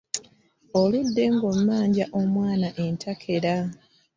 Aludde ng'ammanja omwana entakera.